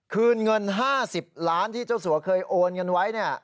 คืนเงิน๕๐ล้านที่เจ้าสัวเคยโอนกันไว้